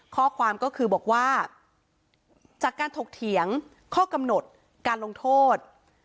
ข้อความก็คือบอกว่าจากการถกเถียงข้อกำหนดการลงโทษ